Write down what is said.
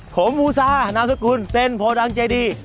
ผมบูซานามสกุลเซ็นโพดังเจดี